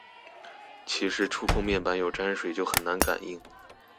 其實觸控面板有沾水就很難感應